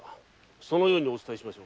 そのようにお伝えしましょう。